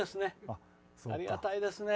ありがたいですね。